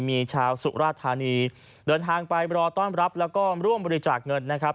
มีชาวสุราธานีเดินทางไปรอต้อนรับแล้วก็ร่วมบริจาคเงินนะครับ